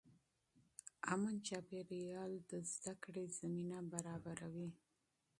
امن چاپېریال د زده کړې زمینه برابروي.